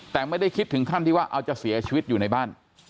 แต่ไม่ได้คิดถึงขั้นที่ว่าเอาจะเสียชีวิตอยู่ในบ้าน